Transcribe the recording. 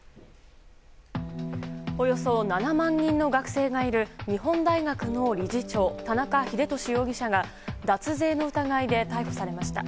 およそ７万人の学生がいる日本大学の理事長田中英壽容疑者が脱税の疑いで逮捕されました。